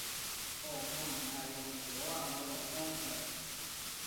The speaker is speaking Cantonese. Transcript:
哦我唔係用蘋果啊我用安卓